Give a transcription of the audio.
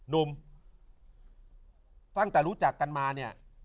หนุ่มตั้งแต่รู้จักกันมาเนี่ย